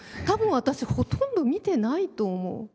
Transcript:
多分私ほとんど見てないと思う。